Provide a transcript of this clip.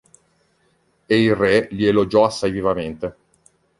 E il re li elogiò assai vivamente.